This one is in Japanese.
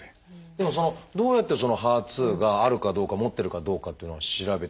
でもどうやってそのＨＥＲ２があるかどうか持ってるかどうかっていうのを調べていくんでしょう？